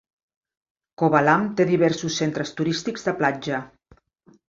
Kovalam té diversos centres turístics de platja.